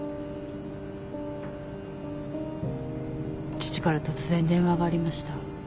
父から突然電話がありました。